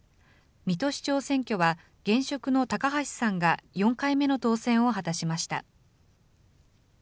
水戸市長選挙は、現職の高橋さんが４回目の当選を果たしました。